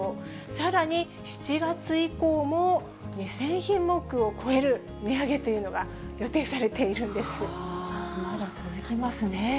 さらに、７月以降も２０００品目を超える値上げというのが予定されているまだ続きますね。